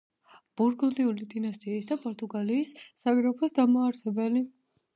ბურგუნდიული დინასტიის და პორტუგალიის საგრაფოს დამაარსებელი.